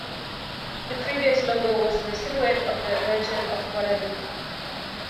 The previous logo was the silhouette of the Virgin of Guadalupe.